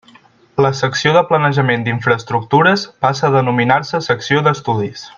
La Secció de Planejament d'Infraestructures passa a denominar-se Secció d'Estudis.